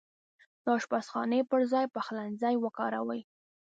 د اشپزخانې پرځاي پخلنځای وکاروئ